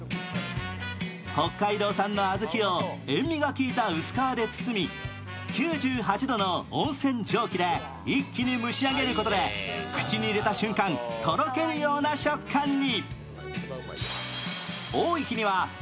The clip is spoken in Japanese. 北海道産の小豆を塩みがきいた薄皮で包み、９８度の温泉蒸気で一気に蒸し上げることで口に入れた瞬間、とろけるような食感に。